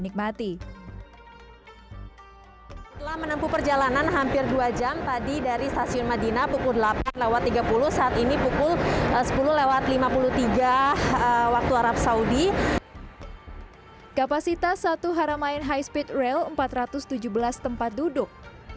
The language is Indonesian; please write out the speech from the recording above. kapasitas satu haramain high speed rail empat ratus tujuh belas tempat duduk